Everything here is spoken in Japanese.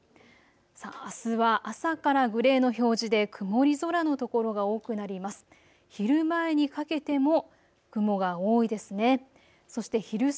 あすは朝からグレーの表示で曇り空の所が多くなります。